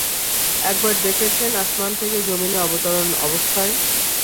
একবার দেখেছেন আসমান থেকে যমীনে অবতরণরত অবস্থায়।